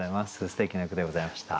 すてきな句でございました。